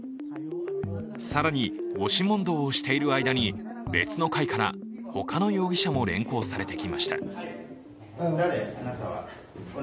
更に、押し問答をしている間に別の階から、他の容疑者も連行されてきました。